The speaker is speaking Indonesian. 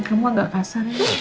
kamu agak kasar ya